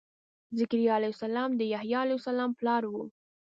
ذکریا علیه السلام د یحیا علیه السلام پلار و.